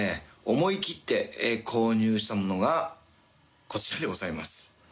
思いきって購入したものがこちらでございます。